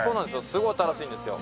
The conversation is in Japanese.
すごい新しいんですよ。